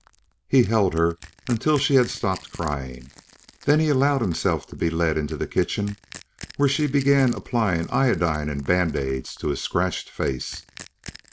He held her until she had stopped crying, then he allowed himself to be led into the kitchen where she began applying iodine and bandaids to his scratched face.